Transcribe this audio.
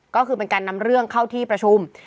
ก็คือเป็นการนำเรื่องเข้าที่ประชุม